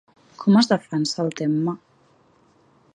Com es defensa el Temme?